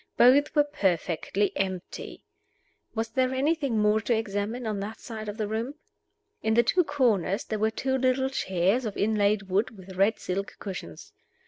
Both were perfectly empty. Was there anything more to examine on that side of the room? In the two corners there were two little chairs of inlaid wood, with red silk cushions.